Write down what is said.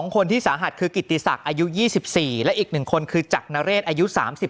คนที่สาหัสคือกิติศักดิ์อายุ๒๔และอีก๑คนคือจักรนเรศอายุ๓๓